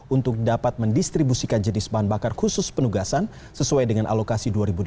untuk dapat mendistribusikan jenis bahan bakar khusus penugasan sesuai dengan alokasi dua ribu delapan belas